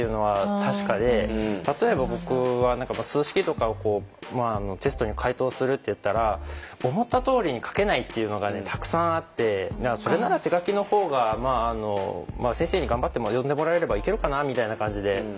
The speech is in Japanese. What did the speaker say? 例えば僕は数式とかをテストに解答するっていったら思ったとおりに書けないっていうのがたくさんあってそれなら手書きのほうが先生に頑張って読んでもらえればいけるかなみたいな感じで。